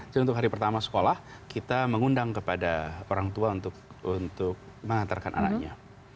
untuk hari pertama sekolah kita mengundang kepada orang tua untuk mengantarkan anaknya